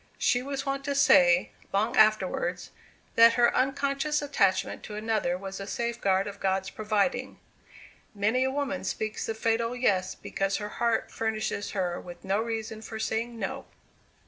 She was wont to say, long afterwards, that her unconscious attachment to another was a safeguard of God's providing. Many a woman speaks the fatal Yes, because her heart furnishes her with no reason for saying No.